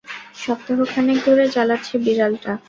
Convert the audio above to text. সপ্তাহখানেক ধরে জ্বালাচ্ছে বিড়ালটা।